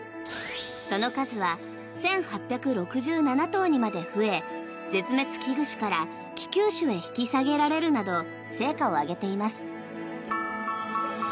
その数は１８６７頭にまで増え絶滅危惧種から危急種へ引き下げられるなど成果を上げています。